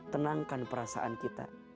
tenangkan perasaan kita